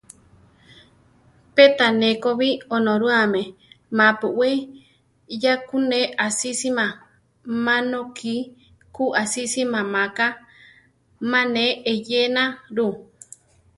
Pe tané ko bi Onorúame ma-pu we ya ku ne asísima; má nokí ku asísima maká: má ne eyéna ru.